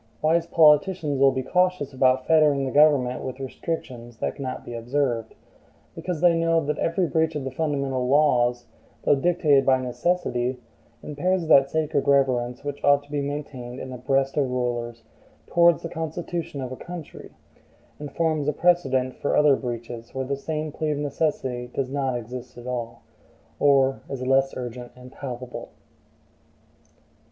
Wise politicians will be cautious about fettering the government with restrictions that cannot be observed, because they know that every breach of the fundamental laws, though dictated by necessity, impairs that sacred reverence which ought to be maintained in the breast of rulers towards the constitution of a country, and forms a precedent for other breaches where the same plea of necessity does not exist at all, or is less urgent and palpable.